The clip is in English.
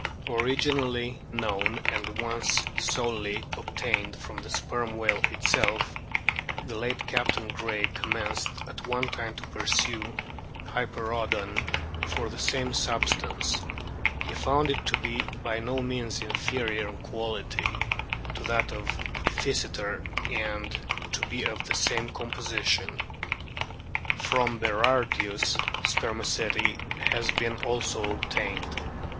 Originally known, and once solely obtained, from the Sperm whale itself, the late Captain Gray commenced at one time to pursue Hyperoodon for the same sub stance ; he found it to be by no means inferior in quality to that of Physeter, and to be of the same composition. From Berardius spermaceti has been also obtained.